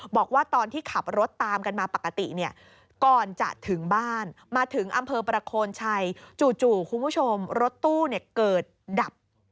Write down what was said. บอกว่าตอนที่ขับรถตามกันมาปกติเนี่ยก่อนจะถึงบ้านมาถึงอำเภอประโคนชัยจู่คุณผู้ชมรถตู้เกิดดับ